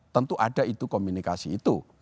tentu ada itu komunikasi itu